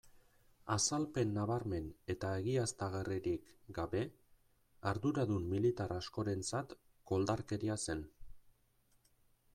Azalpen nabarmen eta egiaztagarririk gabe, arduradun militar askorentzat koldarkeria zen.